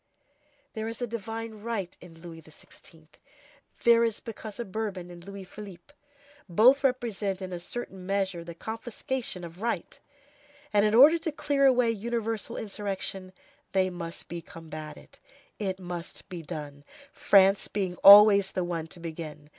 There is a divine right in Louis XVI., there is because a Bourbon in Louis Philippe; both represent in a certain measure the confiscation of right, and, in order to clear away universal insurrection, they must be combated; it must be done, France being always the one to begin.